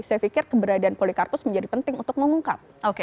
saya pikir keberadaan polikarpus menjadi penting untuk mengungkap